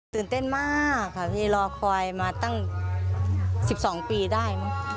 ตื่นเต้นมากค่ะที่รอคอยมาตั้ง๑๒ปีได้มั้ง